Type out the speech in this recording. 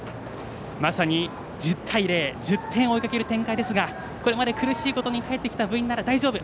まさに１０対０１０点を追いかける展開ですがこれまで苦しいことに耐えてきた部員なら大丈夫。